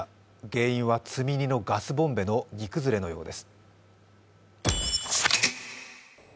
原因は積み荷のガスボンベの荷崩れのようです。